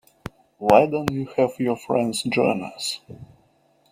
Why don't you have your friends join us?